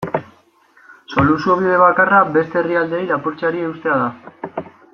Soluzio bide bakarra beste herrialdeei lapurtzeari uztea da.